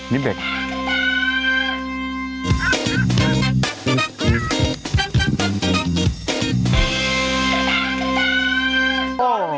นิดเดียว